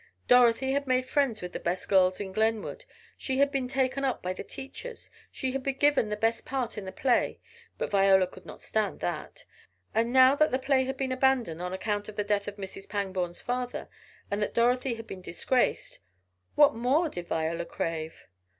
Dorothy had made friends with the best girls in Glenwood, she had been taken up by the teachers, she had been given the best part in the play (but Viola could not stand that) and now that the play had been abandoned on account of the death of Mrs. Panghorn's father, and that Dorothy had been disgraced, what more did Viola crave?